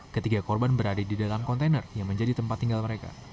ketiga korban berada di dalam kontainer yang menjadi tempat tinggal mereka